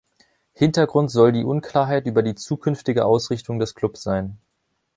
Hintergrund soll die Unklarheit über die zukünftige Ausrichtung des Clubs sein.